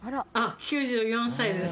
９４歳です。